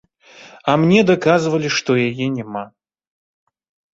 А мне даказвалі, што яе няма.